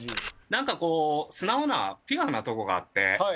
「なんかこう素直なピュアなとこがあって」